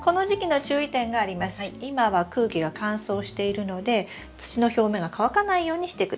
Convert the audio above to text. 今は空気が乾燥しているので土の表面が乾かないようにしてください。